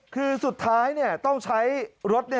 คือสุดท้ายต้องใช้รถ